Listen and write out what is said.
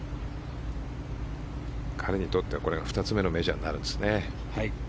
彼にとっては、これが２つ目のメジャーになるんですね。